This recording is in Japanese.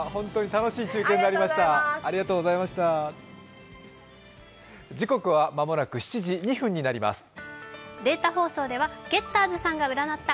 楽しい中継になりました。